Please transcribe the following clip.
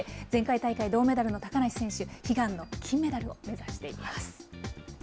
前回大会銅メダルの高梨選手、悲願の金メダルを目指しています。